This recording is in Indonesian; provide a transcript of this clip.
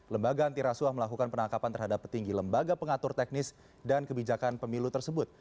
lembaga antirasuah melakukan penangkapan terhadap petinggi lembaga pengatur teknis dan kebijakan pemilu tersebut